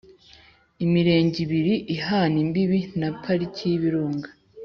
imirenge ibiri ihana imbibi na Pariki y ibirunga